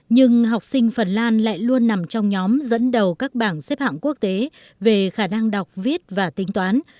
nhưng học sinh phần lan lại luôn nằm trong nhóm dẫn đầu các bảng xếp hạng quốc tế về khả năng đọc viết và tính toán